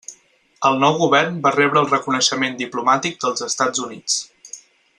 El nou govern va rebre el reconeixement diplomàtic dels Estats Units.